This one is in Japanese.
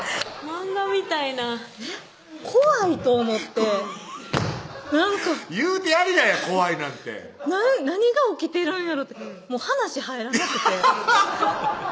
漫画みたいなえっ怖いと思って言うてやりなや「怖い」なんて何が起きてるんやろってもう話入らなくてアハハハ！